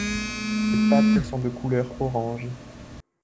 Les pattes sont de couleur orange.